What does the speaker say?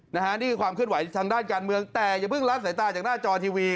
นี่คือความเคลื่อนไหวทางด้านการเมืองแต่อย่าเพิ่งละสายตาจากหน้าจอทีวี